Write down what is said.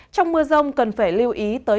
trong mưa rông cần phải lưu ý tới